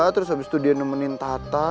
terus abis itu dia nemenin tata